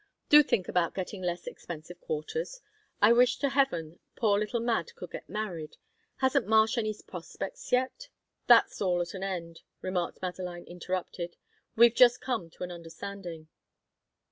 Do think about getting less expensive quarters. I wish to heaven poor little Mad could get married! Hasn't Marsh any prospects yet?'" "That's all at an end," remarked Madeline, interrupting. "We've just come to an understanding."